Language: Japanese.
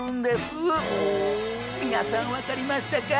皆さん分かりましたか？